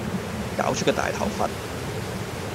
搞出個大頭佛